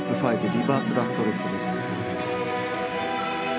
リバースラッソーリフトです。